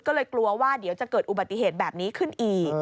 ก็เลยกลัวว่าเดี๋ยวจะเกิดอุบัติเหตุแบบนี้ขึ้นอีก